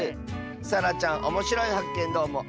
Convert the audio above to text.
さらちゃんおもしろいはっけんどうもありがとう！